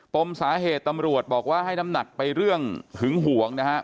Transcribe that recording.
มสาเหตุตำรวจบอกว่าให้น้ำหนักไปเรื่องหึงหวงนะฮะ